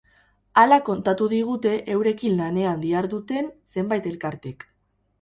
Hala kontatu digute eurekin lanean diharduten zenbait elkartek.